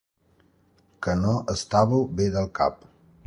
Que no estàveu bé del cap.